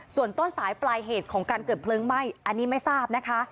ส่วนต้นสายปลายเหตุของการเกิดเพลิงไหม้อันนี้ไม่ทราบนะคะ